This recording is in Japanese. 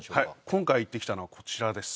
今回行ってきたのはこちらです